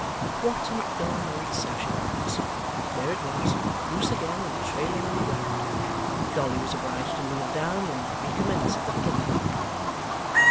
What an ill made sash it was! There it was, loose again and trailing on the ground. Dolly was obliged to kneel down, and recommence at the beginning.